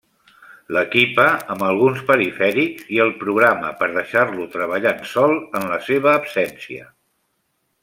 L'equipa amb alguns perifèrics i el programa per deixar-lo treballant sol en la seva absència.